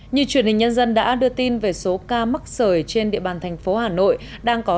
như truyền hình nhân dân đã đưa tin về số ca mắc sởi trên địa bàn thành phố hà nội đang có